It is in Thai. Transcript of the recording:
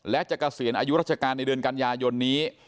และจะเกษียณอายุราชการในเดือนกันยายนนี้